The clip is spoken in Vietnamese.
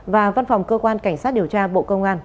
và văn phòng cơ quan cảnh sát điều tra bộ công an